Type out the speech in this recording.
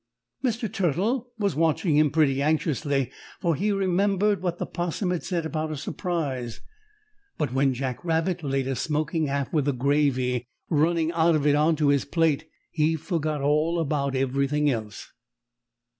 Mr. Turtle was watching him pretty anxiously, for he remembered what the 'Possum had said about a surprise, but when Jack Rabbit laid a smoking half with the gravy running out of it on his plate he forgot all about everything else.